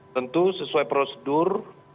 tentu sesuai prosedur